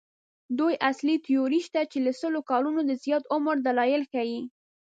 دوې اصلي تیورۍ شته چې له سلو کلونو د زیات عمر دلایل ښيي.